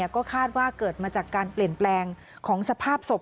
ก็คาดว่าเกิดมาจากการเปลี่ยนแปลงของสภาพศพ